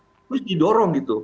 jadi kita harus mendorong itu